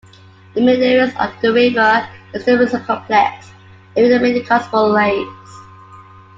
The meanderings of the river is extremely complex, leaving many oxbow lakes.